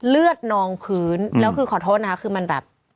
เลือดนองพื้นแล้วคือขอโทษนะคะคือมันแบบ